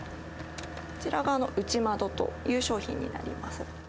こちらが内窓という商品になりま